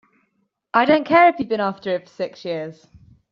I don't care if you've been after it for six years!